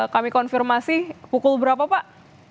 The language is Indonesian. kami konfirmasi pukul berapa pak